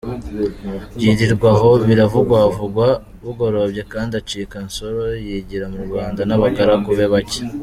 Byirirwa aho biravugwavugwa, bugorobye Kindi acika Nsoro yigira mu Rwanda n’abagaragu be bake.